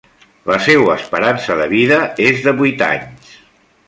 La seua esperança de vida és de vuit anys.